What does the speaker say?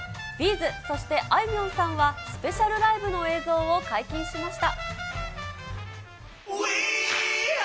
’ｚ、そしてあいみょんさんはスペシャルライブの映像を解禁しました。